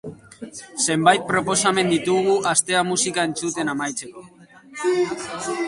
Zenbait proposamen ditugu astea musika entzuten amaitzeko.